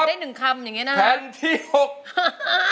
แผ่นที่๖ของคุณอุ้มนะครับตัวช่วยของคุณก็คือ